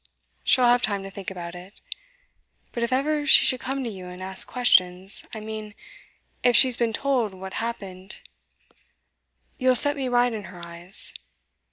She'll have time to think about it. But if ever she should come to you and ask questions I mean, if she's been told what happened you'll set me right in her eyes?